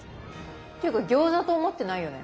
っていうか餃子と思ってないよね。